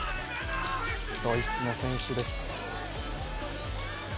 ドイツの選手です。